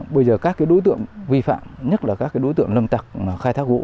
bây giờ các đối tượng vi phạm nhất là các đối tượng lâm tặc khai thác gỗ